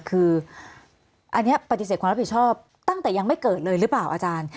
คืออันนี้ปฏิเสธความรับผิดชอบตั้งแต่ยังไม่เกิดเลยหรือเปล่าอาจารย์